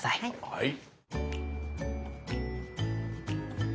はい。